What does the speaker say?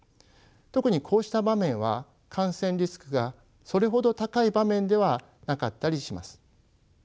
特にこうした場面は感染リスクがそれほど高い場面ではなかったりします。